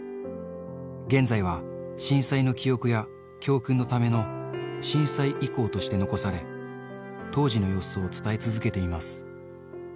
現在は震災の記憶や教訓のための震災遺構として残され、当時の様子を伝え続けています。